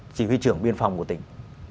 chỉ huy trưởng biên phòng của tỉnh